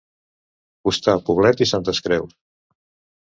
Costar Poblet i Santes Creus.